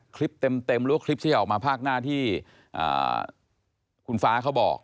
คลิปเต็มหรือว่าคลิปที่ออกมาภาคหน้าที่คุณฟ้าเขาบอก